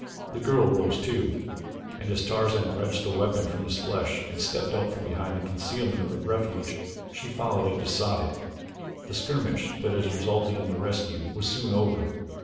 The girl rose too, and as Tarzan wrenched the weapon from his flesh and stepped out from behind the concealment of their refuge, she followed at his side. The skirmish that had resulted in their rescue was soon over.